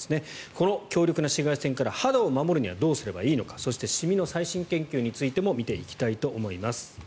この強力な紫外線から肌を守るにはどうすればいいのかそしてシミの最新研究についても見ていきたいと思います。